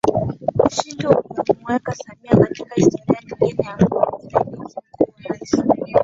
Ushindi uliomuweka Samia katika historia nyingine ya kua msaidizi mkuu wa Rais